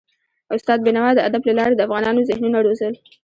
استاد بينوا د ادب له لارې د افغانونو ذهنونه روزل.